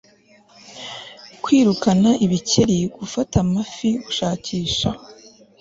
kwirukana ibikeri, gufata amafi, gushakisha